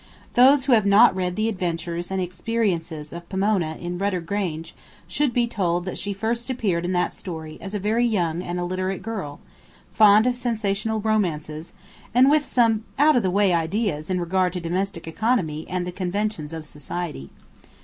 Those who have not read the adventures and experiences of Pomona in "Rudder Grange" should be told that she first appeared in that story as a very young and illiterate girl, fond of sensational romances, and with some out of the way ideas in regard to domestic economy and the conventions of society.